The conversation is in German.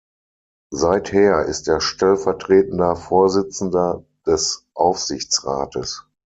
Seither ist er stellvertretender Vorsitzender des Aufsichtsrates.